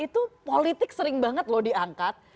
itu politik sering banget loh diangkat